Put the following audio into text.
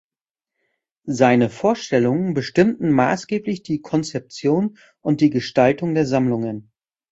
Seine Vorstellungen bestimmten maßgeblich die Konzeption und die Gestaltung der Sammlungen.